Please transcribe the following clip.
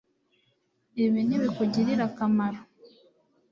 Ibi nibikugirira akamaro